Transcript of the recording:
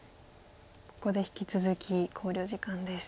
ここで引き続き考慮時間です。